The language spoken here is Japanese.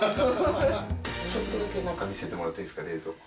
ちょっとだけ中、見せてもらっていいですか、冷蔵庫。